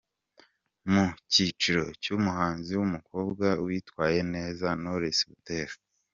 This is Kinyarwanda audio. Mu cyiciro cy’Umuhanzi w’umukobwa witwaye neza : Knowless Butera.